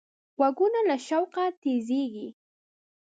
غوږونه له شوقه تیزېږي